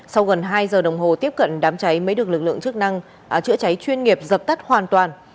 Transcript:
sau gần hai giờ đồng hồ tiếp cận đám cháy mới được lực lượng chức năng chữa cháy chuyên nghiệp dập tắt hoàn toàn